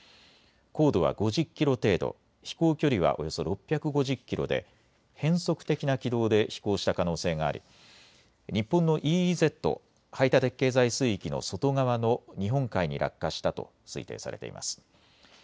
高度は５０キロ程度、飛行距離はおよそ６５０キロで変則的な軌道で飛行した可能性があり日本のＥＥＺ・排他的経済水域の外側の日本海に落下したと推定されています。